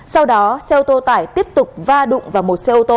sau đó xe ô tô tải tiếp tục va đụng vào một xe ô tô